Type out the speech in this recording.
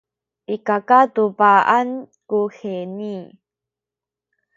i kakaduba’an kuheni